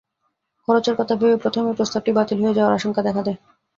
খরচের কথা ভেবে প্রথমেই প্রস্তাবটি বাতিল হয়ে যাওয়ার আশঙ্কা দেখা দেয়।